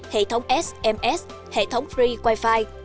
hệ thống sms hệ thống free wifi